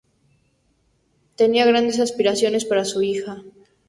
Tenía grandes aspiraciones para su hija.